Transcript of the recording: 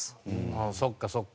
ああそっかそっか。